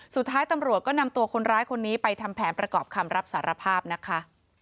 สุดท้ายตำรวจก็นำตัวคนร้ายคนนี้ไปทำแผนประกอบคำรับสารภาพนะคะ